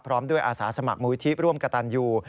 พร้อมด้วยอาสาสมัครมูลที่ร่วมกระตันยู